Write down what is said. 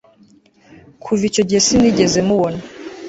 Kuva icyo gihe sinigeze mubona